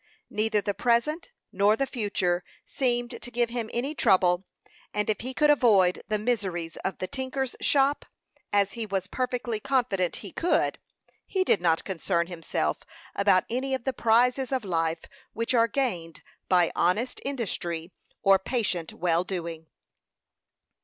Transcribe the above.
Neither the present nor the future seemed to give him any trouble; and if he could avoid the miseries of the tinker's shop, as he was perfectly confident he could, he did not concern himself about any of the prizes of life which are gained by honest industry or patient well doing.